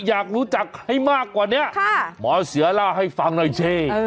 อยากรู้จักให้มากกว่านี้หมอเสือเล่าให้ฟังหน่อยเช่